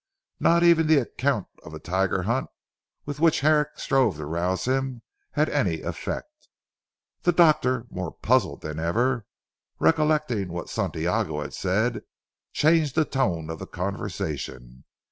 Not even the account of a tiger hunt with which Herrick strove to rouse him, had any effect. The doctor more puzzled than ever, and recollecting what Santiago had said, changed the tone of the conversation.